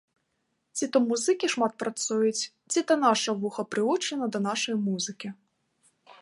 Ці то музыкі шмат працуюць, ці то наша вуха прывучана да нашай музыкі.